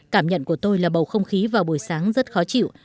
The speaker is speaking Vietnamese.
cảm nhận của tôi là bầu không khí vào buổi sáng rất khó chịu